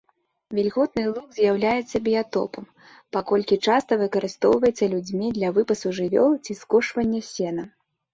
Вільготны луг з'яўляецца біятопам, паколькі часта выкарыстоўваецца людзьмі для выпасу жывёл ці скошвання сена.